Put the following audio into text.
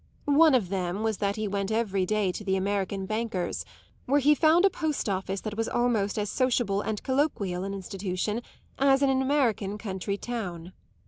One of them was that he went every day to the American banker's, where he found a post office that was almost as sociable and colloquial an institution as in an American country town.